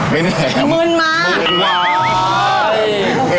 เมื่อนกันเลยอะ